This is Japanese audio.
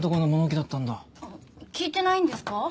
あっ聞いてないんですか？